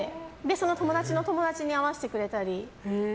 その友達の友達に会わせてくれたり。